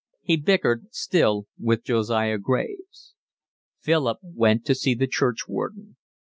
He bickered still with Josiah Graves. Philip went to see the churchwarden.